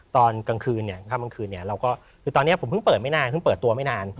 ตอนกลางคืนคือตอนนี้ผมเพิ่งเปิดไม่นานเพิ่งเปิดตัวไม่นาน